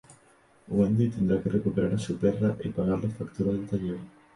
Wendy tendrá que recuperar a su perra y pagar la factura del taller.